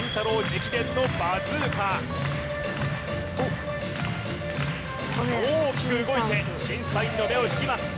直伝のバズーカ大きく動いて審査員の目を引きます